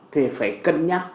thì phải cân nhắc